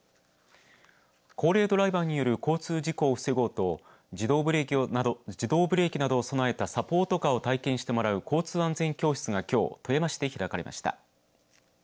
高齢ドライバーによる交通事故を防ごうと自動ブレーキなどを備えたサポートカーを体験してもらう交通安全教室がきょう、富山市で開かれました。